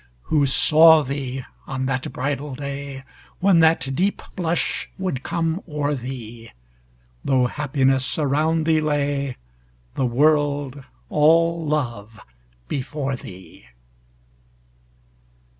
Who saw thee on that bridal day, When that deep blush would come o'er thee, Though happiness around thee lay, The world all love before thee.